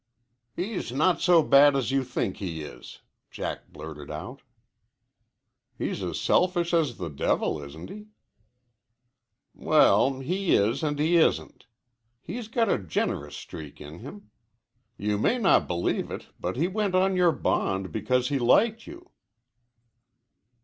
"He's not so bad as you think he is," Jack blurted out. "He's as selfish as the devil, isn't he?" "Well, he is, and he isn't. He's got a generous streak in him. You may not believe it, but he went on your bond because he liked you."